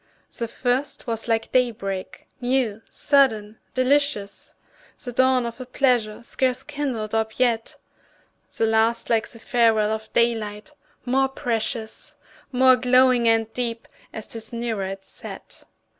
The first was like day break, new, sudden, delicious, The dawn of a pleasure scarce kindled up yet; The last like the farewell of daylight, more precious, More glowing and deep, as 'tis nearer its set.